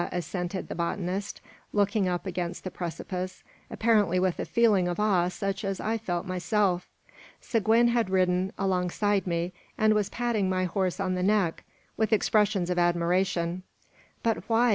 assented the botanist, looking up against the precipice, apparently with a feeling of awe such as I felt myself. Seguin had ridden alongside me, and was patting my horse on the neck with expressions of admiration. "But why?"